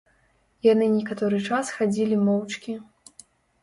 Яны некаторы час хадзілі моўчкі.